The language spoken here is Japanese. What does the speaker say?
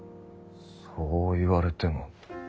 そう言われても。